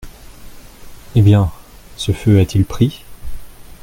Eh bien, ce feu a-t-il pris ?